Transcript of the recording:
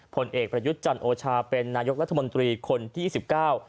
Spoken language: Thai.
ผลเอกปรยุจจันทร์โอชาเป็นนายกรัฐมนตรีคนที่อดีตให้๒๕คน